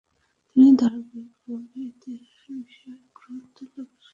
তিনি ধারাবাহিকভাবে ইতিহাস বিষয়ক গ্রন্থ লেখার সিদ্ধান্ত নেন।